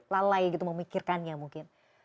lalai gitu memikirkannya mungkin